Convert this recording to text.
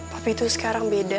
tapi itu sekarang beda